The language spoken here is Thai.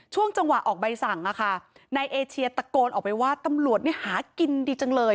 ช่วงจังหวะออกใบสั่งนายเอเชียตะโกนออกไปว่าตำรวจหากินดีจังเลย